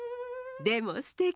でもすてき。